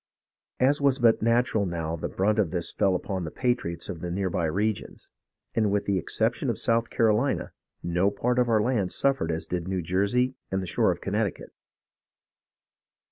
As was but natural now the brunt of this fell upon the patriots of the near by regions, and with the exception of South Carolina no part of our land suffered as did New Jersey and the shore of Connecticut.